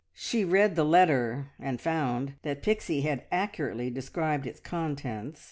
She read the letter, and found that Pixie had accurately described its contents.